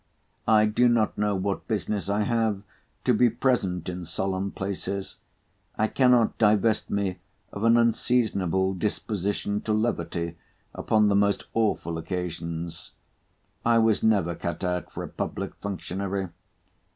I do not know what business I have to be present in solemn places. I cannot divest me of an unseasonable disposition to levity upon the most awful occasions. I was never cut out for a public functionary.